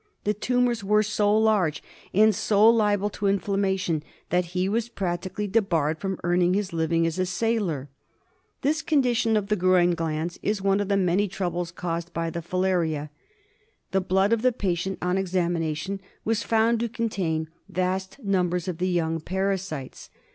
The tumours were so large and so liable to inflammation that he was practically debarred from earning his living as a sailor. This condition of the groin glands is one of the many troubles caused by the filaria. The blood of the patient on examination was found to contain vast numbers of the young parasites.